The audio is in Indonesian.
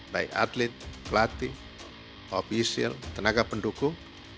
baik atlet pelatih ofisial tenaga pendukung